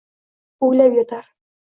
O’ylab yotar